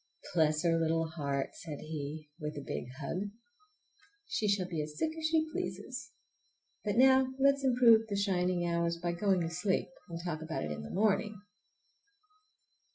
"Bless her little heart!" said he with a big hug; "she shall be as sick as she pleases! But now let's improve the shining hours by going to sleep, and talk about it in the morning!"